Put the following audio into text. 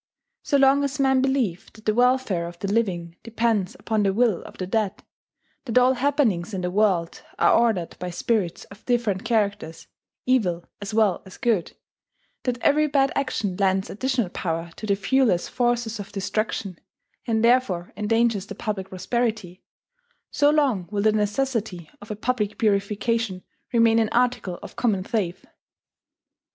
So long as men believe that the welfare of the living depends upon the will of the dead, that all happenings in the world are ordered by spirits of different characters, evil as well as good, that every bad action lends additional power to the viewless forces of destruction, and therefore endangers the public prosperity, so long will the necessity of a public purification remain an article of common faith.